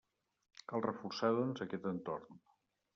Cal reforçar, doncs, aquest entorn.